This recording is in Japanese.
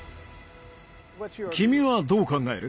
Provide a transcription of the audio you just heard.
君はどう考える？